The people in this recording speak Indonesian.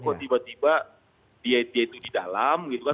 kok tiba tiba dia itu di dalam gitu kan